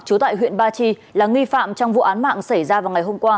trú tại huyện ba chi là nghi phạm trong vụ án mạng xảy ra vào ngày hôm qua